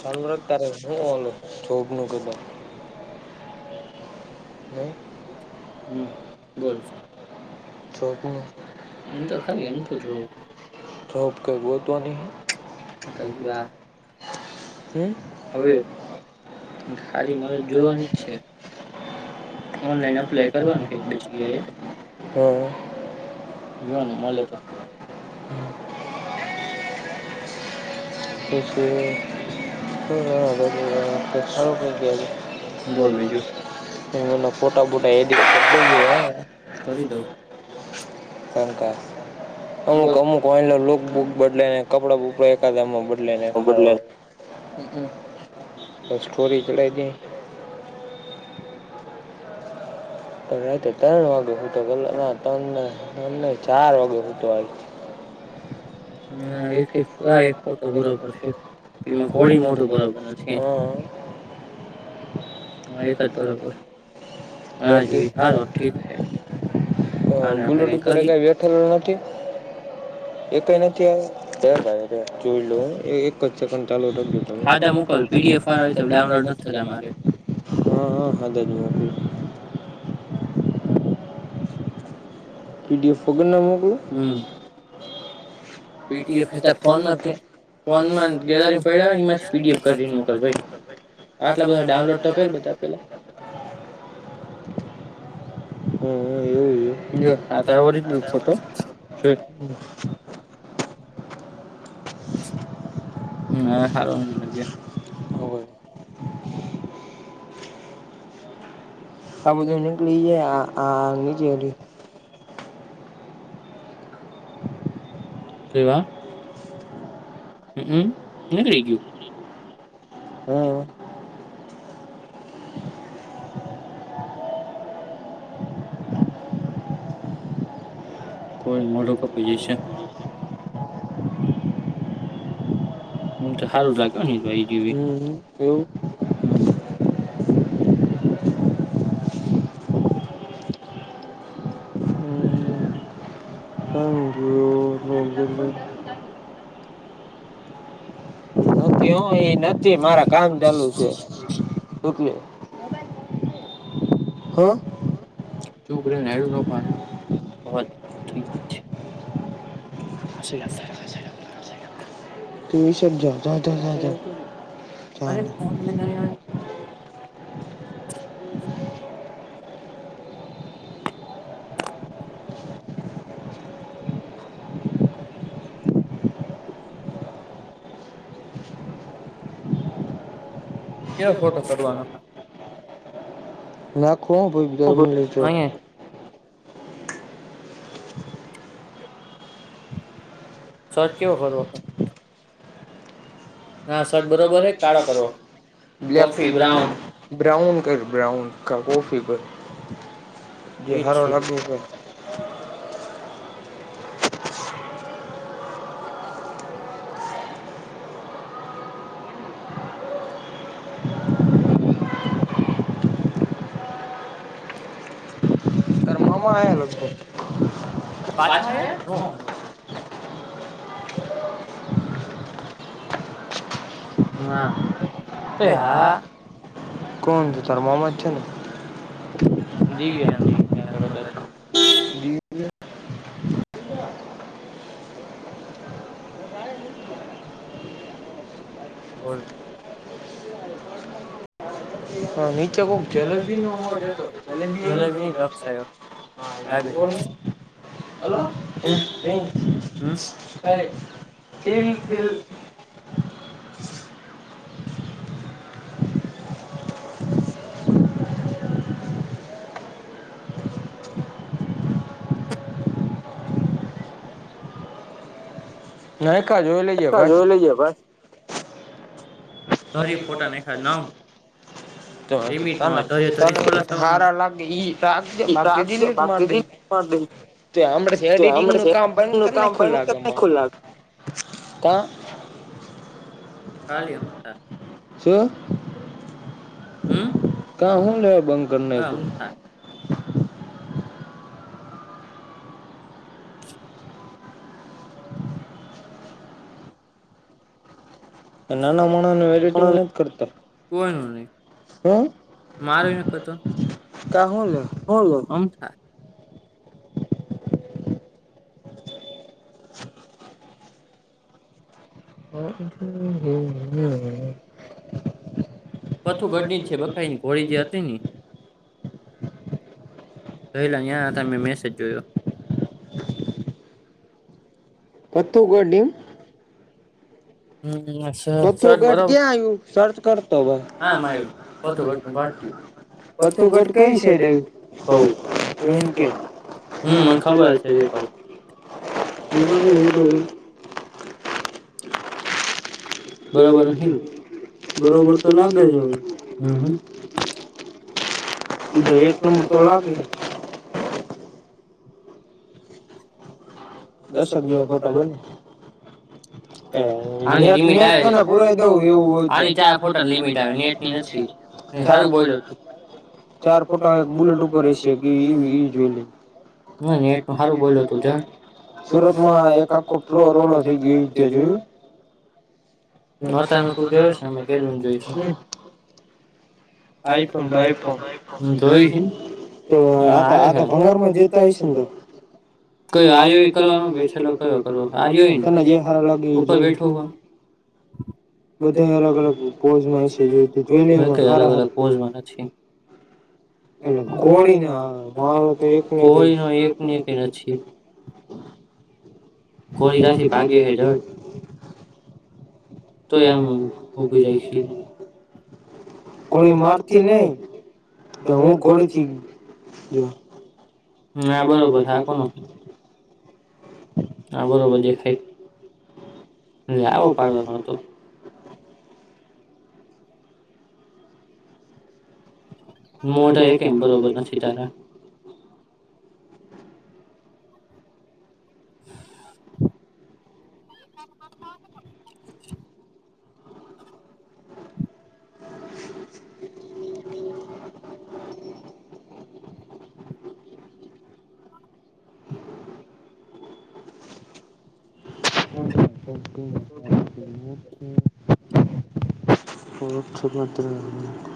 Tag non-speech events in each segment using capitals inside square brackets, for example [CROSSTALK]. ચંદ્રત ત્યારે હું ઓલો છોભ ન કેબ હ હમ બર. તો થાય એમ થ છુ. ધોપ કે તો નહી, હમ હવે સારી મદદ જોવાની છે. ઓનલાઈન અપ્લાય કરવા કે [UNINTELLIGIBLE] જોનું મળલ [UNINTELLIGIBLE] તો [INAUDIBLE] બોલ બીજું એ ફોટા બોટા [INAUDIBLE] એડિટ કરી દે કરી દઉ ં અમુક અમુક વાલોક બદલે ને કપડા બપડા એકાદા માં બ લ લ ખો બ સોરી ચઢ હતી. રાતે ત્રણ વાગેતો ત્રણ ત્રણને ચાર વાગેતો હ એક આ એક ફોટો બરોબર છે. તેમાં કોય મોટું બરાબર છે. હા એક જ બરોબર હ હાર ઠીક છે. ગુલું કરે ક વ્ય નથી એ કઈ નથી. જોઈ લો એક જ સેકન્ડ ચાલુ રાખજે ખાધા મોકલ પીડીએફ વાળ તો ડાઉનલોડ થતારેા જ મોકલ પીડીએફ વગર ના મોકલું. [UNINTELLIGIBLE] ફોન‌ મા‌ ગેલરી પડ એ પીડીએફ કરીને મોકલ ભાઈ આટલા બધા ડાઉનલોડ તો કર બધા પેલા [INAUDIBLE] હ હ ખબર આ બધું નીકળી જાય આ નીચે-' કેવા હમમ એ રઈ ગયું હમ કોઈ નડે કો પઈ છે. હમ તો સારું લાગે ને તો જેવી હમ [UNINTELLIGIBLE] એ નથી મારા કામ ચાલુ છેલે હું [UNINTELLIGIBLE] [UNINTELLIGIBLE] ત વિ શબજ જ જ ચ કે ફોટો કરવાનો નાખમ બઈભધ મ લઈ જો શર્ટ કેવો ખર વ હા સર બરોબર છે કાળા બ બ્લેક થી બ્રાઉન બ્રાઉન કર બ્રાઉન કા કોફી પર જે હરા લગ છે. [UNINTELLIGIBLE] માં આલો છે. હા. અ હા કોણ છે તરમમાં છેને. [UNINTELLIGIBLE] બલ હા નીચે કોક જલેબ ન હા ના બળ [UNINTELLIGIBLE] નાયકાા જોઈ લઈજે ભાઈ ભાઈ ઘરી ફોટા નાખા નમ લિમિટમાં હોયરેરી ખોલા થવાના. [UNINTELLIGIBLE] તે હમણાં એડિટિંગ નું કામ બંધ કરી નાખ્યું લાગે [UNINTELLIGIBLE] [UNINTELLIGIBLE] શું? હમ. ક હું લેવા બ [UNINTELLIGIBLE] [UNINTELLIGIBLE] મારી નખતો. કામ હુ છે બૉલો અમથા [INAUDIBLE] [INAUDIBLE] [UNINTELLIGIBLE] [UNINTELLIGIBLE] [UNINTELLIGIBLE] હ પોતુગઢ ક્યાં આવ્યુ? સર્ચ કરતો હવે આમ આયુ પતુગઢ પાટિયું પતુગઢ કઈ છે દેવ [UNINTELLIGIBLE] હ ખબર છે એ તો [UNINTELLIGIBLE] બરોબર નથી બરોબર તો લાગે છે હવે હ તો લાગે. દસ અગ્યાર ફોટો બને. [UNINTELLIGIBLE] ચાર બોલ્યો તું ચાર ફોટા એક બુલેટ ઉપર હશે કે જોઈ લે એતો સારું બોલ્યો જો સુરતમાં એક આખો ફલોર ઓલો થઈ ગયો. તે જોયું [UNINTELLIGIBLE] આઈફોન બાઈફોન જોઈએ હે? તો આ આ ભંગારમાં જતો હશે તો કોઈ આર કરવાનું બેઠેલો કયો કર આરયોએ કલા [UNINTELLIGIBLE] બધા અલગ અલગ પોઝમાં હશે જોઈ લે હારા હારા હા પોઝ એ ગોળીને આવે મારો તો એક કોઈ નથી તો [UNINTELLIGIBLE] આમ ઉભી રહી છે. કોડી મારથી નહી કે હું ઘડી થી જો હા બરોબર હા કોણ હા બરોબર દેખાય એટલે આવો પાડવાનો હતો મોઢ એકેય બરોબર નથી તારા [UNINTELLIGIBLE] હુ છે [INAUDIBLE] [UNINTELLIGIBLE]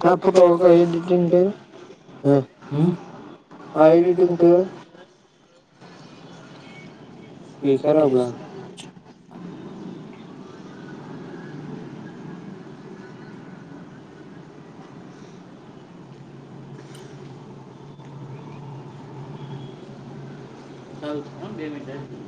ક્યાં ફોટો એડિટિંગ હે હે આ એડિટિંગ કે એ ખરાબ લાગે [INAUDIBLE] કેવી છે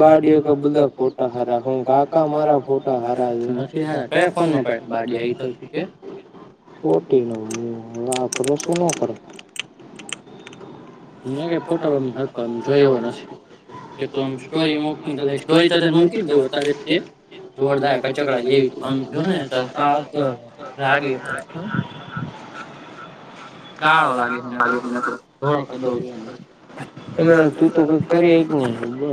બારડી કે બધા ફોટા હાર હું કાકા મારા ફોટા હારા નથી આયા કયા ફોન ન અપાય બાડી આવી એ તો કે ખોટી નવરી મને હવે આપડે શેના પડે કઈ ફોટા જોય એવો નથી. એ તો આમ સ્ટોરી મુકી સ્ટોરી તો તે મુઇકી દવ ત્યારે તે જોરદાર કચકડા જેવી જો ને તો હ કાળો લાગે એમે તું તો કઈ કરી શકે નહી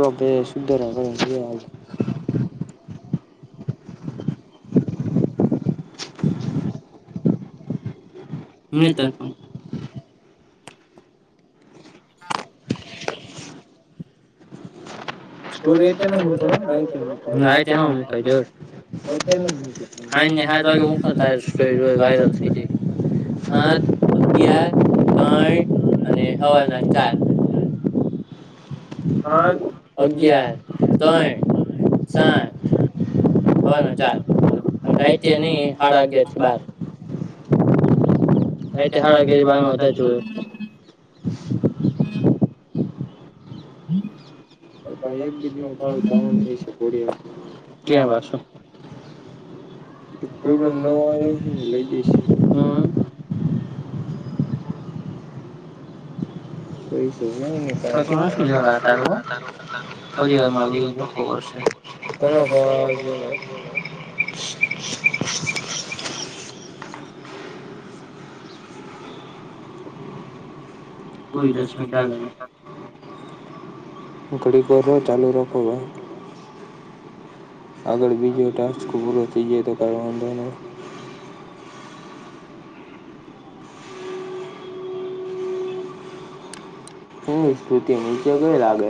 લો બે શુદ્ધ રહે બે હાત કી મ એમ પણલે [UNINTELLIGIBLE] [UNINTELLIGIBLE] છોરી મ આને હાત વાગે મોકલાતા વાયરલ આઠ અગીયાર ત્રણ અને હવાના ચાર સાત અગિયાર તઈન સાત હને ચાલ પણ રાતે નઈ હાડા અગિયાર થી બાર. રાતે હાડા અગિયાર થી બાર માં બધા જોવે. [UNINTELLIGIBLE] એક બે દી માં જવા નું થાય કોડિયા ક્યાં વાસો. પ્રોબ્લેમ ન આવે લેડીસ ને હમ્મ. [UNINTELLIGIBLE] [UNINTELLIGIBLE] પૂરી દસ મિનિટ ચાલે લે. ઘડીક વાર હું ચાલુ રાખું. આગળ બીજો ટાસ્ક પૂરો થઈ જાય તો કઈ વાંધો નઈ. શની સ્તૃતિ નીચ્ય કઈ લાગે.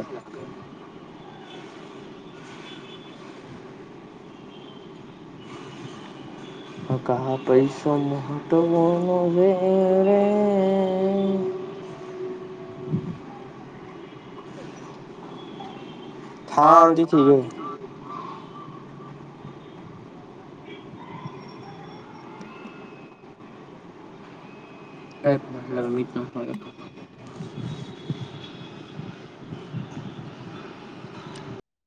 હકા પૈસો મહત્ત્વનો વ રે. હાંતી થી જોવ. [UNINTELLIGIBLE]